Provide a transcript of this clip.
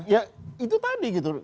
ya itu tadi gitu